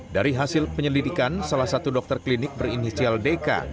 dari hasil penyelidikan salah satu dokter klinik berinisial dk